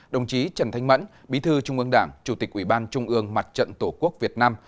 đồng chí trần thanh mẫn bí thư trung ương đảng chủ tịch ủy ban trung ương mặt trận tổ quốc việt nam